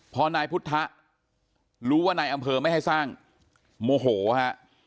พอนายพุทธรู้ว่านายอำเภอไม่ให้สร้างโมโหฮะ